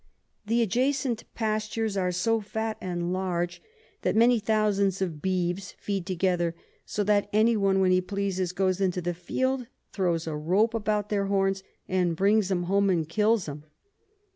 The adjacent Pastures are so fat and large, that many thousands of Beeves feed together; so that any one when he pleases goes into the Field, throws a Rope about their Horns, brings 'em home and kills 'em.